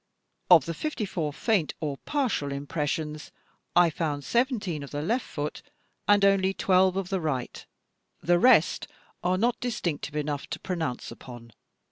"Of the 54 faint or partial impressions, I found 17 of the left foot and only 12 of the right, the rest are not distinctive enough to pro nounce upon.